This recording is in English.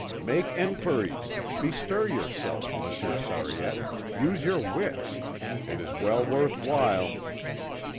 Make enquiries, bestir yourself, Monsieur Sariette; use your wits. It is well worth while."